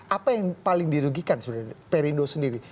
apa yang paling dirugikan sebenarnya perindo sendiri